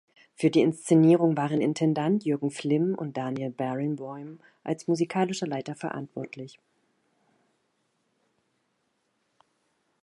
Für die Inszenierung waren Intendant Jürgen Flimm und Daniel Barenboim als musikalischer Leiter verantwortlich.